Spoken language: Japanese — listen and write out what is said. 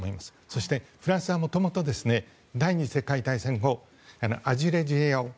そして、フランスはもともと第２次世界大戦後にアルジェリアを。